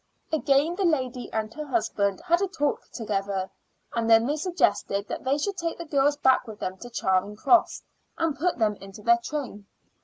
Again the lady and her husband had a talk together, and then she suggested that they should take the girls back with them to Charing Cross and put them into their train.